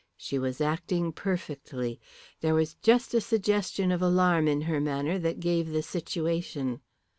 She was acting perfectly. There was just a suggestion of alarm in her manner that gave the situation.